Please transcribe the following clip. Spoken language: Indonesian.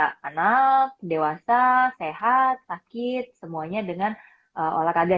anak dewasa sehat sakit semuanya dengan olahraga